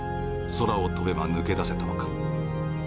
空を飛べば抜け出せたのか。